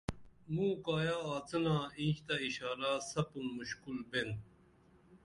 مُوں کایہ آڅِنا اینچ تہ اشارہ سپُن مُشکُل بین